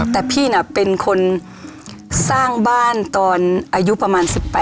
แต่พี่น่ะเป็นคนสร้างบ้านตอนอายุประมาณ๑๘